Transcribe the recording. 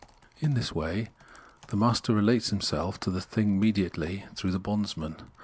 In the same way the naster relates himself to the thing mediately through :he bondsman.